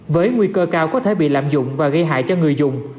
với nguy cơ cao có thể bị lạm dụng và gây hại cho người dùng